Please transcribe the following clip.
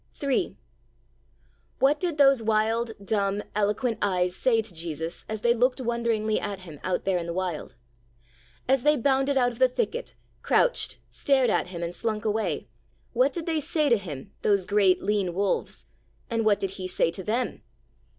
III What did those wild, dumb, eloquent eyes say to Jesus as they looked wonderingly at Him out there in the Wild? As they bounded out of the thicket, crouched, stared at Him, and slunk away, what did they say to Him, those great lean wolves? And what did He say to them?